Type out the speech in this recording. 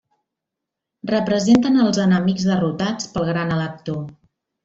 Representen els enemics derrotats pel gran elector.